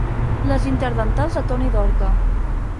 Les interdentals de Toni Dorca.